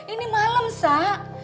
ini malem sak